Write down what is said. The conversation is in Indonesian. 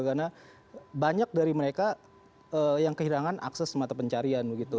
karena banyak dari mereka yang kehilangan akses mata pencarian begitu